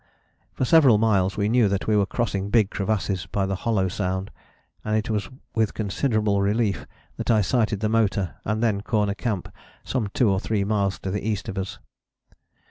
For several miles we knew that we were crossing big crevasses by the hollow sound, and it was with considerable relief that I sighted the motor and then Corner Camp some two or three miles to the east of us.